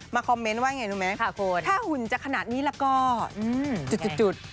คอมเมนต์ว่าไงรู้ไหมถ้าหุ่นจะขนาดนี้แล้วก็จุด